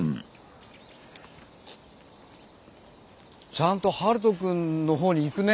ちゃんと陽翔くんの方に行くね。